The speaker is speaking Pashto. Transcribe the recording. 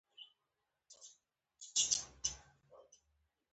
د عربي قهوې بوی د هر مېلمه هرکلی کوي.